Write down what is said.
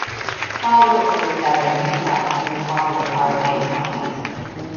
Hal Roach was gathering new talent for his popular "Our Gang" comedies.